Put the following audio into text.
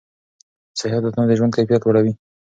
صحي عادتونه د ژوند کیفیت لوړوي.